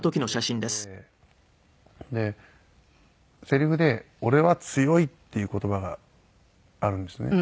セリフで「俺は強い」っていう言葉があるんですね。